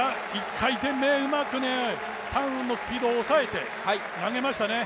１回転目、うまくターンのスピードを抑えて投げましたね。